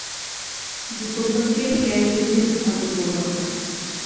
Дуҫымдың кем икәнен белдем, атымды урлатҡас.